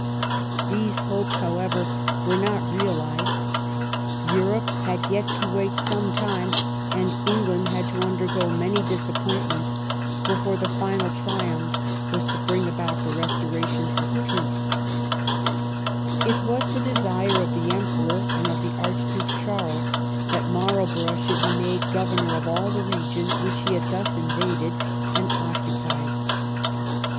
These hopes, however, were not real ized. Europe had yet to wait some time, and England had to undergo many disappointments before the final triumph was to bring about the restoration of peace. 251 THE BEI6N OF QUEEN ANNE It was the desire of the Emperor and of the Arch duke Charles that Marlborough should be made gov ernor of all the region which he had thus invaded and occupied.